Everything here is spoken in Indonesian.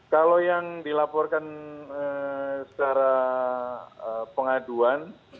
kalau yang dilaporkan secara pengaduan